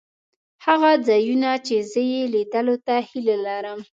هغه ځایونه چې زه یې لیدلو ته هیله لرم.